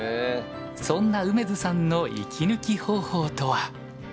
そんな梅津さんの息抜き方法とは。